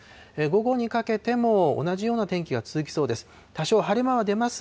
午後にかけても同じような天気が続きそうです。